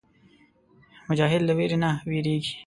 مجاهد له ویرې نه وېرېږي.